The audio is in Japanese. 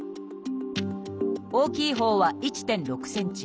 大きいほうは１．６ｃｍ。